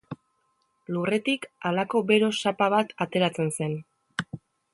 Lurretik halako bero sapa bat ateratzen zen.